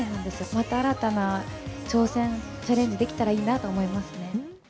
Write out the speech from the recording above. また新たな挑戦、チャレンジできたらいいなと思いますね。